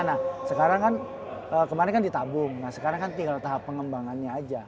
nah sekarang kan kemarin kan ditabung nah sekarang kan tinggal tahap pengembangannya aja